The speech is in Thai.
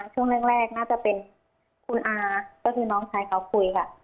ช่วงแรกน่าจะเป็นคุณอาก็คือน้องชายเขาคุยค่ะ